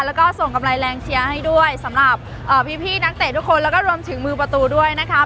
แล้วก็ส่งกำไรแรงเชียร์ให้ด้วยสำหรับพี่นักเตะทุกคนแล้วก็รวมถึงมือประตูด้วยนะครับ